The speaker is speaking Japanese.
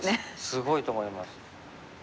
すごいと思います。